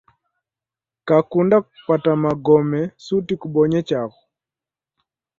Kakunda kupata magome, suti kubonye chaghu.